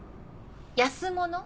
安物？